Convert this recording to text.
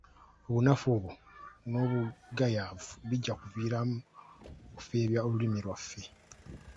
Obunafu obwo n’obugayaavu bijja kutuviiramu okufeebya olulimi lwaffe.